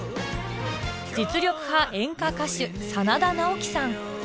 実力派演歌歌手真田ナオキさん